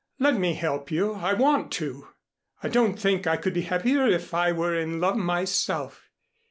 Let me help you. I want to. I don't think I could be happier if I were in love myself.